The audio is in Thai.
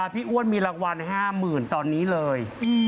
พี่อ้วนมีรักวัล๕๐๐๐๐บาทตอนนี้เลย